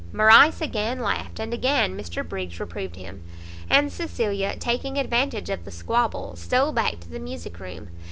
Morrice again laughed, and again Mr Briggs reproved him; and Cecilia, taking advantage of the squabble, stole back to the music room.